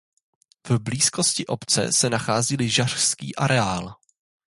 V blízkosti obce se nachází lyžařský areál.